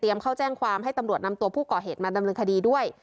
เข้าแจ้งความให้ตำรวจนำตัวผู้ก่อเหตุมาดำเนินคดีด้วย